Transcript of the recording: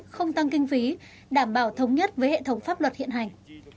không tăng kinh phí đảm bảo thống nhất với hệ thống pháp luật hiện hành